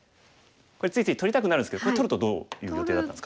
これついつい取りたくなるんですけど取るとどういう予定だったんですか？